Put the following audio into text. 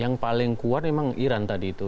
yang paling kuat memang iran tadi itu